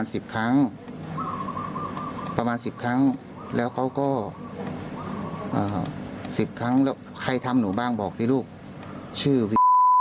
ทั้งหลักใครทำหนูบ้างบอกสิลูกชื่อไม่รู้